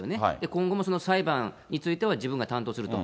今後もその裁判については自分が担当すると。